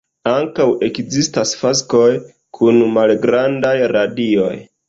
Ankaŭ ekzistas faskoj kun malgrandaj radioj.